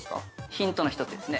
◆ヒントの一つですね。